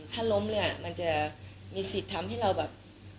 ถ้าล้มเลยมันจะมีสิทธิ์ทำให้เราแบบ